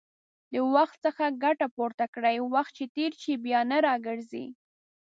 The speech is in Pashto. د وخت څخه ګټه پورته کړئ، وخت چې تېر شي، بيا نه راګرځي